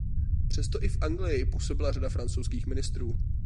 Přesto i v Anglii působila řada francouzských mistrů.